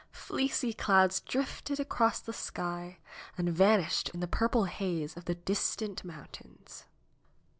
Fleecy clouds drifted across the sky and vanished in the purple haze of the distant mountains.